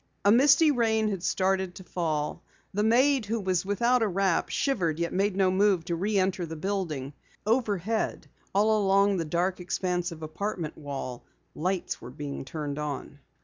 A misty rain had started to fall. The maid, who was without a wrap, shivered, yet made no move to re enter the building. Overhead, all along the dark expanse of apartment wall, lights were being turned on.